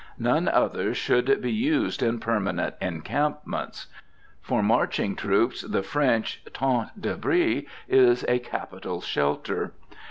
None other should be used in permanent encampments. For marching troops, the French Tente d'abri is a capital shelter.